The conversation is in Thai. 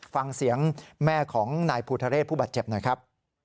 ฟังเสียงแม่ของนายภูทะเรศผู้บาดเจ็บหน่อยครับ